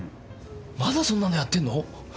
まだそんなのやってんの！？